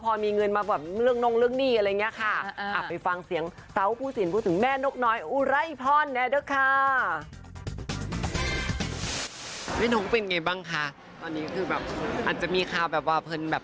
เพลินแบบเป็นกังวลใจเจ้าสีนะครับ